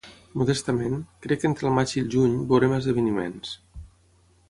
Modestament, crec que entre el maig i el juny veurem esdeveniments.